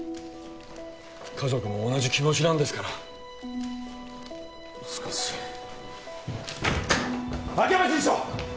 家族も同じ気持ちなんですからしかし・秋山厨司長！